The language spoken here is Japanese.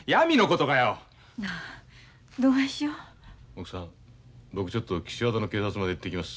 奥さん僕ちょっと岸和田の警察まで行ってきます。